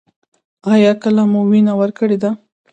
ایا کله مو وینه ورکړې ده؟